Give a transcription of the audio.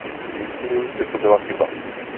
Myslím, že to byla chyba.